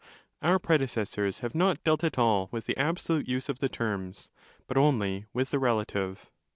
Our predecessors have not dealt at all with the ~ absolute use of the terms, but only with the relative.